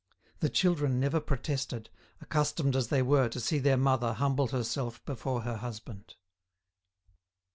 The children never protested, accustomed as they were to see their mother humble herself before her husband.